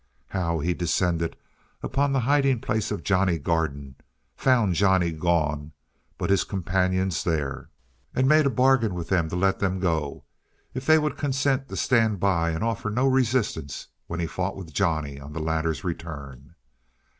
How he descended upon the hiding place of Johnny Garden, found Johnny gone, but his companions there, and made a bargain with them to let them go if they would consent to stand by and offer no resistance when he fought with Johnny on the latter's return.